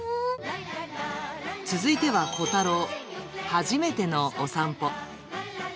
続いてはコタロー、初めてのお散歩。